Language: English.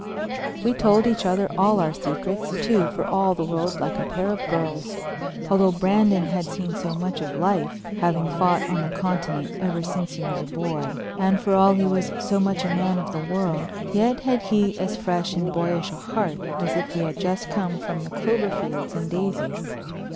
We told each other all our secrets, too, for all the world like a pair of girls. Although Brandon had seen so much of life, having fought on the continent ever since he was a boy, and for all he was so much a man of the world, yet had he as fresh and boyish a heart as if he had just come from the clover fields and daisies.